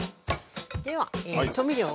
では調味料を。